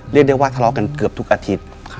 เรียกได้ว่าทะเลาะกันเกือบทุกอาทิตย์